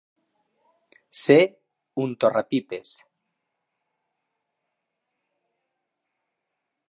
Ser un torrapipes.